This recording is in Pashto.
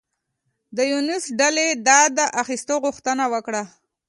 د یونس ډلې د دیه اخیستو غوښتنه وکړه.